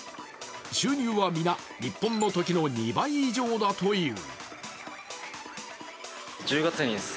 収入は皆、日本のときの２倍以上だという。